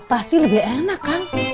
pasti lebih enak